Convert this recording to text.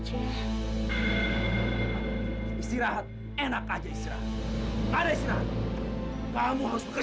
hai isi ahat enak saja differences pada iswatch kamu harus kerja